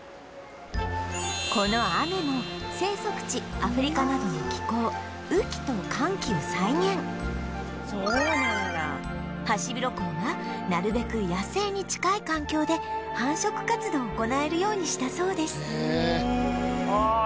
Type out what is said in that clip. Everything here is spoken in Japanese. この雨も生息地アフリカなどの気候ハシビロコウがなるべく野生に近い環境で繁殖活動を行えるようにしたそうです